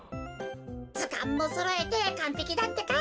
ずかんもそろえてかんぺきだってか。